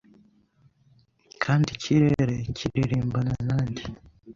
Kandi ikirere kiririmbana nanjye